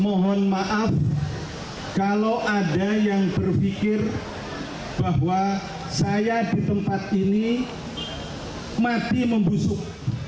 mohon maaf kalau ada yang berpikir bahwa saya di tempat ini mati membusuk